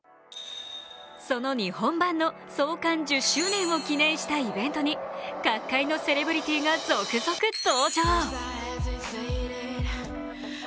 その日本版の創刊１０周年を記念したイベントに各界のセレブリティーが続々登場。